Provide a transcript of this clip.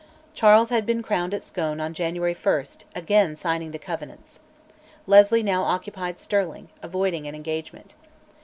Charles had been crowned at Scone on January 1, again signing the Covenants. Leslie now occupied Stirling, avoiding an engagement.